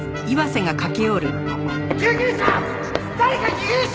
救急車！